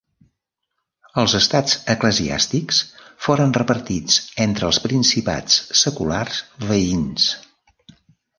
Els estats eclesiàstics foren repartits entre els principats seculars veïns.